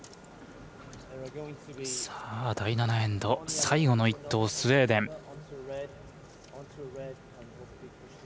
第７エンド、最後の１投スウェーデン。